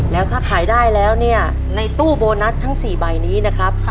แล้วถ้าขายได้แล้วเนี่ยในตู้โบนัสทั้ง๔ใบนี้นะครับ